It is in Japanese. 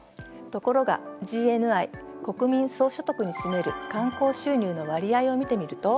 ところがＧＮＩ国民総所得に占める観光収入の割合を見てみると。